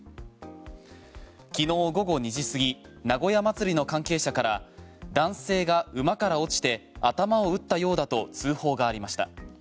昨日午後２時過ぎ名古屋まつりの関係者から男性が馬から落ちて頭を打ったようだと通報がありました。